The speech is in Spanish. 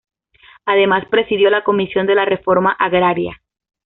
Además presidió la Comisión de la Reforma Agraria.